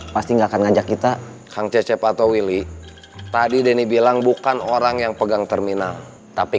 pasti enggak akan ngajak kita kang cecep atau willy tadi denny bilang bukan orang yang pegang terminal tapi